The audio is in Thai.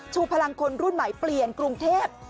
พลังคนรุ่นใหม่เปลี่ยนกรุงเทพ